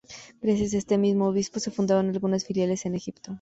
Gracias a este mismo obispo se fundaron algunas filiales en Egipto.